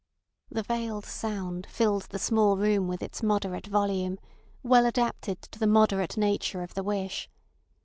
The veiled sound filled the small room with its moderate volume, well adapted to the modest nature of the wish.